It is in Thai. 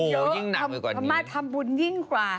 อ๋อยิ่งหนักอีกกว่านี้พระม่าทำบุญยิ่งกว่า